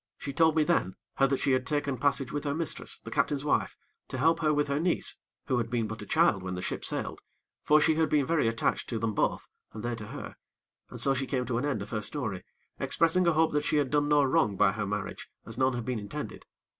She told me then, how that she had taken passage with her mistress, the captain's wife, to help her with her niece, who had been but a child when the ship sailed; for she had been very attached to them both, and they to her. And so she came to an end of her story, expressing a hope that she had done no wrong by her marriage, as none had been intended.